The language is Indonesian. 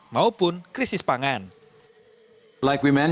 maupun krisis pangan